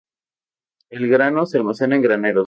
El grano se almacena en graneros.